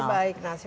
terbaik nasional ya